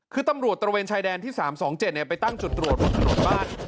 คือตำรวจตระเวนชายแดนที่๓๒๗ไปตั้งจุดตรวจบนถนนบ้าน